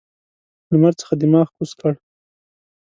لمر څخه دماغ کوز کړ.